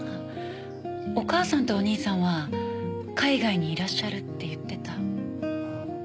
お母さんとお兄さんは海外にいらっしゃるって言ってた。